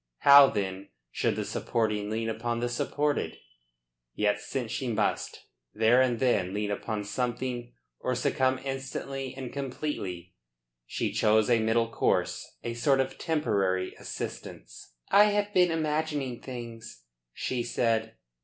How, then, should the supporting lean upon the supported? Yet since she must, there and then, lean upon something or succumb instantly and completely, she chose a middle course, a sort of temporary assistance. "I have been imagining things," she said.